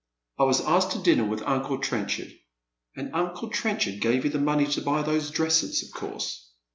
66 " I was aeked to dinner with uncle Trenchard." "And uncle Trenchard gave you the money to buy those dresses, of course."